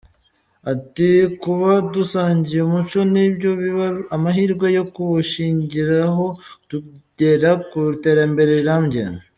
Ati “Kuba dusangiye umuco ni byo biba amahirwe yo kuwushingiraho tugera ku iterambere rirambye.